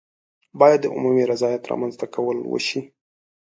باید د عمومي رضایت رامنځته کول وشي.